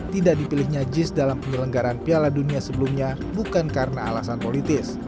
tidak dipilihnya jis dalam penyelenggaran piala dunia sebelumnya bukan karena alasan politis